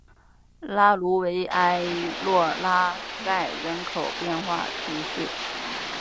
拉卢维埃洛拉盖人口变化图示